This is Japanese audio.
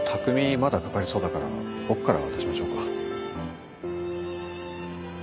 まだかかりそうだから僕から渡しましょうか？